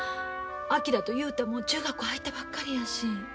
昭と雄太も中学校入ったばっかりやし。